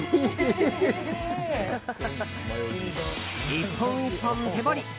１本１本、手彫り！